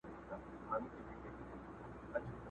تر قیامته به روغ نه سم زه نصیب د فرزانه یم!.